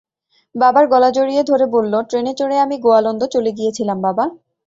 বাবার গলা জড়িয়ে ধরে বলল, ট্রেনে চড়ে আমি গোয়ালন্দ চলে গিয়েছিলাম বাবা।